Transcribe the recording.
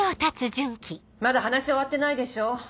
まだ話は終わってないでしょ？